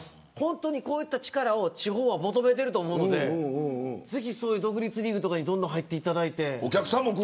こういう力を地方は求めていると思うのでぜひ独立リーグとかにどんどん入っていただいて。